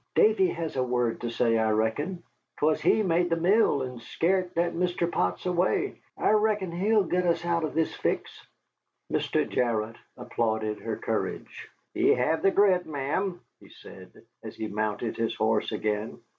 "Davy has a word to say, I reckon. 'Twas he made the mill and scar't that Mr. Potts away. I reckon he'll git us out of this fix." Mr. Jarrott applauded her courage. "Ye have the grit, ma'am," he said, as he mounted his horse again.